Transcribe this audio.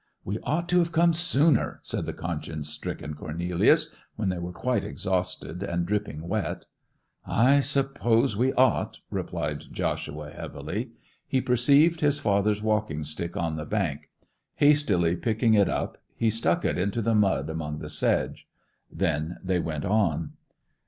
'We ought to have come sooner!' said the conscience stricken Cornelius, when they were quite exhausted, and dripping wet. 'I suppose we ought,' replied Joshua heavily. He perceived his father's walking stick on the bank; hastily picking it up he stuck it into the mud among the sedge. Then they went on.